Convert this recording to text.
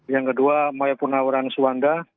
yang kedua mayapurnaweran suwanda